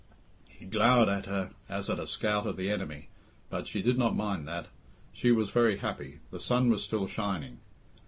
He glowered at her as at a scout of the enemy, but she did not mind that. She was very happy. The sun was still shining.